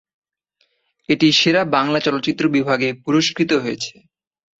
এটি সেরা বাংলা চলচ্চিত্র বিভাগে পুরস্কৃত হয়েছে।